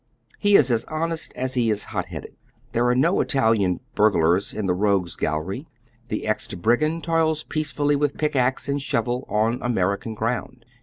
He is as honest as he is hot headed. There are no Italian burglars in the Rogues' Gallery ; the ex brigand toils peacefully with pickaxe and shovel on American ground.